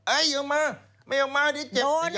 เอ้ยเอามาไม่เอามาอันนี้เจ็บ